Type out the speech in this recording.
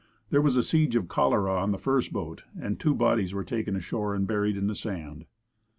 There was a siege of cholera on the first boat, and two bodies were taken ashore and buried in the sand.